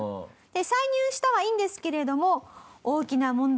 参入したはいいんですけれども大きな問題がございます。